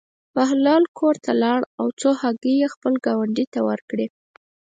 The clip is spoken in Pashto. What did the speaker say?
بهلول کور ته لاړ او څو هګۍ یې خپل ګاونډي ته ورکړې.